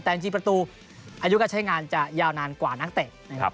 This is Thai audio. แต่จีบประตูอายุกับใช้งานจะยาวนานกว่านักเตะ